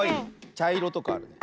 ちゃいろとかあるね。